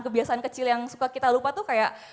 kebiasaan kecil yang suka kita lupa tuh kayak